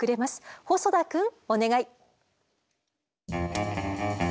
細田くんお願い。